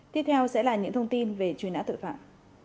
tiếp theo sẽ là những thông tin về truy nã tội phạm